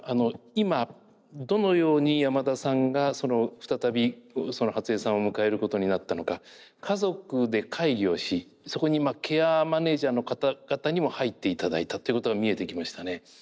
今どのように山田さんが再び初江さんを迎えることになったのか家族で会議をしそこにケアマネージャーの方々にも入っていただいたっていうことが見えてきましたね。